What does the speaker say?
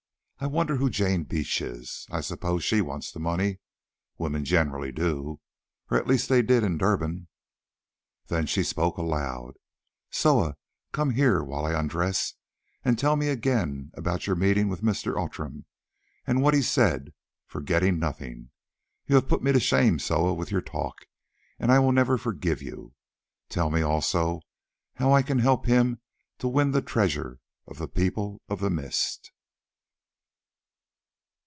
I wonder who Jane Beach is. I suppose that she wants the money. Women generally do, or at least they did in Durban." Then she spoke aloud: "Soa, come here while I undress, and tell me again all about your meeting with Mr. Outram, and what he said, forgetting nothing. You have put me to shame, Soa, with your talk, and I will never forgive you. Tell me also how I can help to win the treasure of the People of the Mist!"